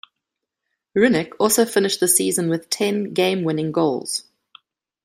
Roenick also finished the season with ten game-winning goals.